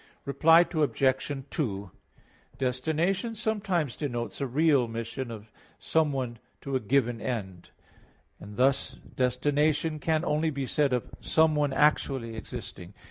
Reply Obj. 2: Destination sometimes denotes a real mission of someone to a given end; thus, destination can only be said of someone actually existing.